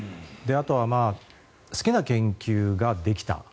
あとは好きな研究ができた。